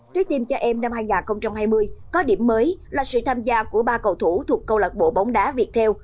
trái tim cho em năm hai nghìn hai mươi có điểm mới là sự tham gia của ba cầu thủ thuộc câu lạc bộ bóng đá việt theo